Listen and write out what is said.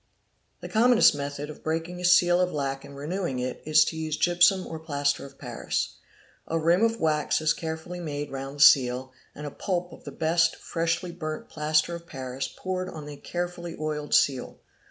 The commonest method of breaking a seal of lac and renewing it is to use gypsum or plaster of paris. A rim of wax is carefully made round the seal and a pulp of the best, freshly burnt plaster of paris poured on the carefully oiled seal.